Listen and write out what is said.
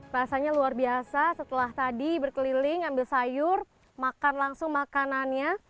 rasanya luar biasa setelah tadi berkeliling ambil sayur makan langsung makanannya